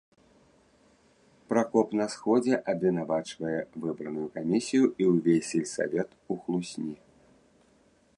Пракоп на сходзе абвінавачвае выбраную камісію і ўвесь сельсавет у хлусні.